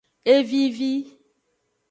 E vivi.